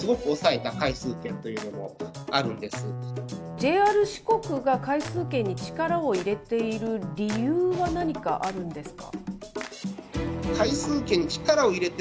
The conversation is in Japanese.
ＪＲ四国が回数券に力を入れている理由は何かあるんですか。